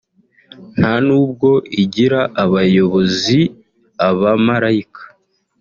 nta nubwo igira abayobozi abamarayika